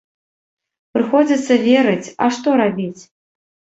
Прыходзіцца верыць, а што рабіць?